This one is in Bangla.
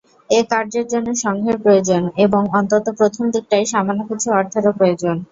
এ কার্যের জন্য সঙ্ঘের প্রয়োজন এবং অন্তত প্রথম দিকটায় সামান্য কিছু অর্থেরও প্রয়োজন।